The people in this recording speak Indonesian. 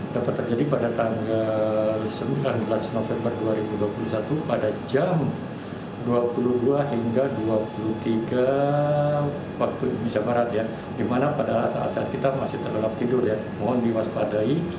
dapat terjadi pada tanggal sembilan belas november dua ribu dua puluh satu pada jam dua puluh dua hingga dua puluh tiga waktu jam marat